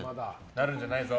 なるんじゃないぞ。